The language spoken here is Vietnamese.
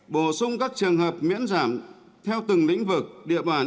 bổ sung các trường hợp miễn giảm theo từng lĩnh vực địa bàn